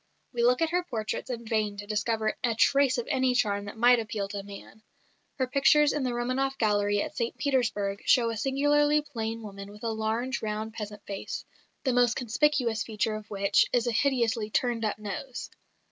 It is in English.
We look at her portraits in vain to discover a trace of any charm that might appeal to man. Her pictures in the Romanof Gallery at St Petersburg show a singularly plain woman with a large, round peasant face, the most conspicuous feature of which is a hideously turned up nose.